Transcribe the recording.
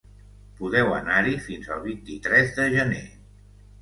Podeu anar-hi fins el vint-i-tres de gener.